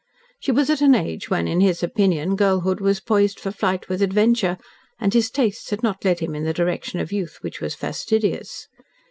She was at an age when, in his opinion, girlhood was poised for flight with adventure, and his tastes had not led him in the direction of youth which was fastidious.